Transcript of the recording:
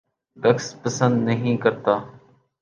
رقص پسند نہیں کرتا